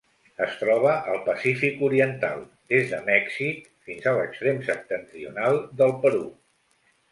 Es troba al Pacífic oriental: des de Mèxic fins a l'extrem septentrional del Perú.